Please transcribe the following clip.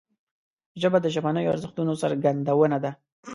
ژبه د ژبنیو ارزښتونو څرګندونه ده